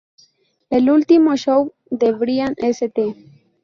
El último show de Brian St.